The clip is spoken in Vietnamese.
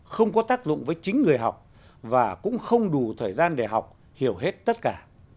không có tác dụng với chính người học và cũng không đủ thời gian để học hiểu hết tất cả